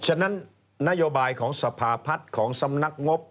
ฉะนั้นนโยบายของสภาพัฒน์ของสำนักงบ